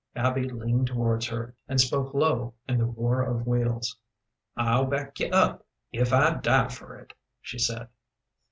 Abby leaned towards her, and spoke low in the roar of wheels. "I'll back you up, if I die for it," she said.